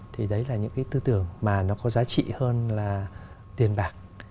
thì đấy là những cái tư tưởng mà nó có giá trị hơn là tiền bạc